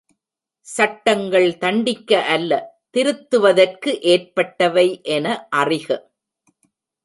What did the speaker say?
சட்டங்கள் தண்டிக்க அல்ல திருத்துவதற்கு ஏற்பட்டவை என அறிக.